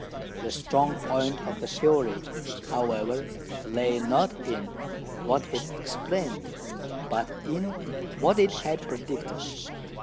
The strong point of the theory, however, lay not in what it explained, but in what it had predicted.